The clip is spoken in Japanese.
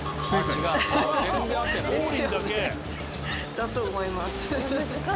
だと思います。